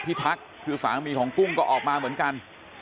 ทักคือสามีของกุ้งก็ออกมาเหมือนกัน